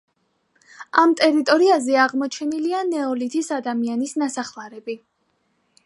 ამ ტერიტორიაზე აღმოჩენილია ნეოლითის ადამიანის ნასახლარები.